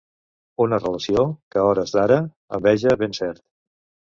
Una relació que, a hores d'ara, envege, ben cert.